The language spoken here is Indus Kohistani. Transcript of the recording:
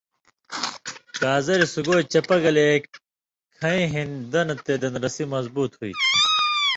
گازریۡ سُگائ چپہ گلے کَھیں ہِن دنہۡ تے دندرسی مضبُوط ہوں تھی۔